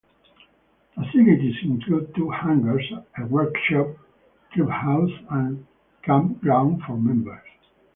Facilities include two hangars, a workshop, clubhouse and campground for members.